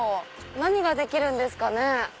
何ができるんですかね。